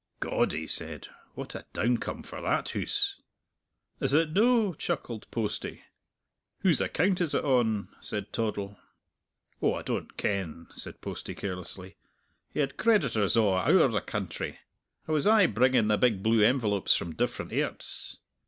"God!" he said, "what a downcome for that hoose!" "Is it no'?" chuckled Postie. "Whose account is it on?" said Toddle. "Oh, I don't ken," said Postie carelessly. "He had creditors a' owre the country. I was ay bringing the big blue envelopes from different airts.